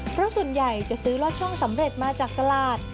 เพราะส่วนใหญ่จะซื้อลอดช่องสำเร็จมาจากตลาด